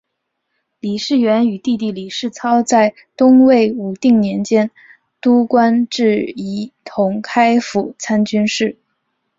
李士元与弟弟李士操在东魏武定年间都官至仪同开府参军事。